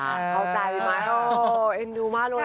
เข้าใจไหมเอ็นดูมากเลย